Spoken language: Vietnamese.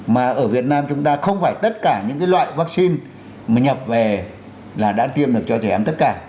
mà ở việt nam chúng ta không phải tất cả những loại vaccine mà nhập về là đã tiêm được cho trẻ em tất cả